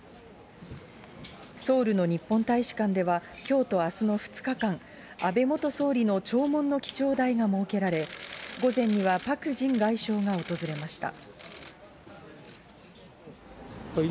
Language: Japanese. ソウルの日本大使館では、きょうとあすの２日間、安倍元総理の弔問の記帳台が設けられ、午前にはパク・ジン外相が訪れました。